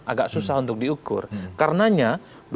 agak susah untuk diukur karenanya